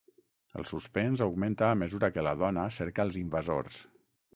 El suspens augmenta a mesura que la dona cerca els invasors.